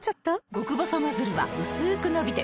極細ノズルはうすく伸びて